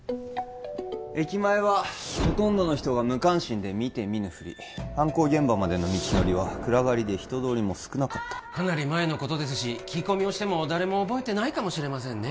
駅前はほとんどの人が無関心で見て見ぬふり犯行現場までの道のりは暗がりで人通りも少なかったかなり前のことですし聞き込みをしても誰も覚えてないかもしれませんね